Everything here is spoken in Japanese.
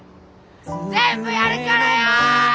全部やるからよ！